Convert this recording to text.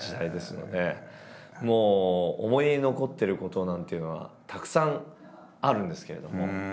もう思い出に残ってることなんていうのはたくさんあるんですけれども。